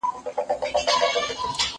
زه اجازه لرم چي انځورونه رسم کړم؟!